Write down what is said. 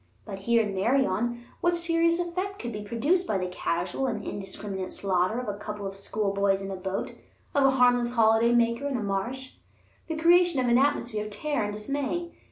But here in Meirion, what serious effect could be produced by the casual and indiscriminate slaughter of a couple of schoolboys in a boat, of a harmless holiday maker in a marsh? The creation of an atmosphere of terror and dismay?